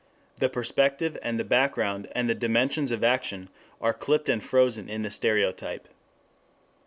The perspective and the background and the dimensions of action are clipped and frozen in the stereotype.